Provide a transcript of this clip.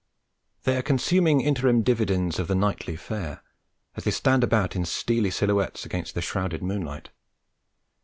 They are consuming interim dividends of the nightly fare, as they stand about in steely silhouette against the shrouded moonlight.